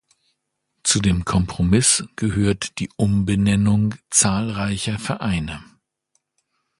Zu dem Kompromiss gehört die Umbenennung zahlreicher Vereine.